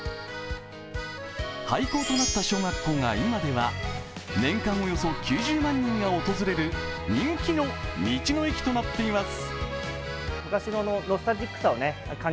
廃校となった小学校が、今では年間およそ９０万人が訪れる人気の道の駅となっています。